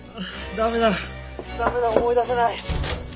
駄目だ思い出せない！